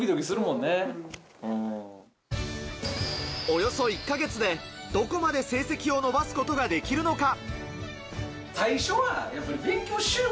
およそ１か月でどこまで成績を伸ばすことができるのか？